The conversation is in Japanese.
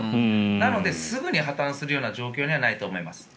なので、すぐに破たんするような状況にはないと思います。